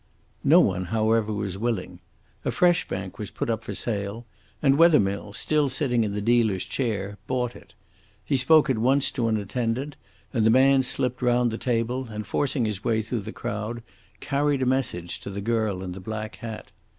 No one, however, was willing. A fresh bank was put up for sale, and Wethermill, still sitting in the dealer's chair, bought it. He spoke at once to an attendant, and the man slipped round the table, and, forcing his way through the crowd, carried a message to the girl in the black hat.